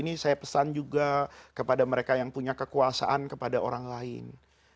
ini saya pesan juga kepada mereka yang punya kekuasaan kepada orang lain